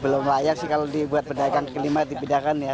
belum layak sih kalau dibuat pendahakan kelima dipindahkan ya